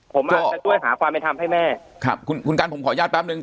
ผมอาจจะช่วยหาความเป็นธรรมให้แม่ครับคุณคุณกันผมขออนุญาตแป๊บนึง